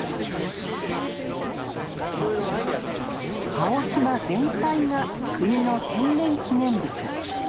青島全体が国の天然記念物。